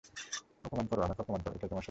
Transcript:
অপমান করো, আমাকে আপমান করো, এইটেই তোমার সত্য।